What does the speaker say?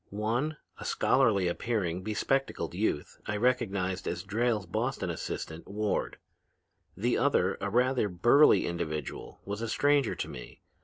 One, a scholarly appearing, bespectacled youth, I recognized as Drayle's Boston assistant, Ward; the other, a rather burly individual, was a stranger to me.